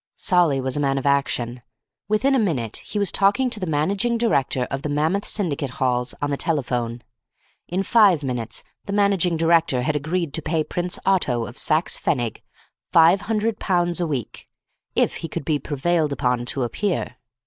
Solly was a man of action. Within a minute he was talking to the managing director of the Mammoth Syndicate Halls on the telephone. In five minutes the managing director had agreed to pay Prince Otto of Saxe Pfennig five hundred pounds a week, if he could be prevailed upon to appear.